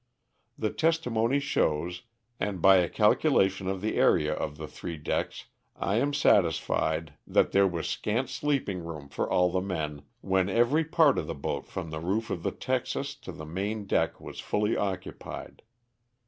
The testimony shows, and by a calculation of the area of the three decks I am satisfied, that there was scant sleeping room for all the men when every part of the boat from the roof of the ' texas ' to the main deck was fully occupied.